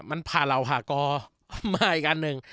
มันผ่าเหล่าผ่ากอมาอีกอันหนึ่ง